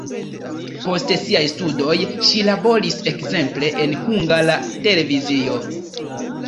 Post siaj studoj ŝi laboris ekzemple en Hungara Televizio.